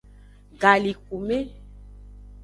Galikume.